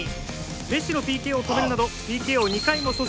メッシのＰＫを止めるなどＰＫを２回も阻止。